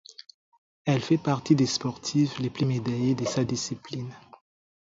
Elle fait partie des sportives les plus médaillées de sa discipline.